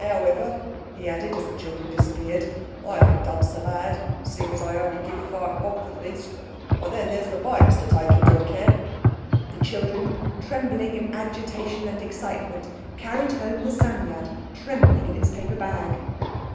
'Owever," he added, as the children disappeared, "I ain't done so bad, seeing as I only give five bob for the beast. But then there's the bites to take into account!" The children trembling in agitation and excitement, carried home the Psammead, trembling in its paper bag.